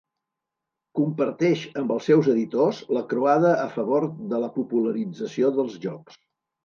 Comparteix amb els seus editors la croada a favor de la popularització dels jocs.